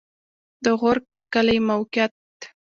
د غورک کلی موقعیت